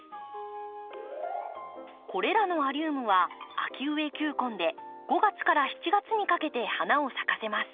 これらのアリウムは秋植え球根で５月から７月にかけて花を咲かせます。